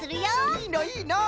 いいのいいの！